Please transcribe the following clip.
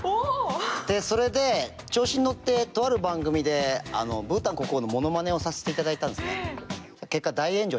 でそれで調子に乗ってとある番組でブータン国王のものまねをさせていただいたんですね。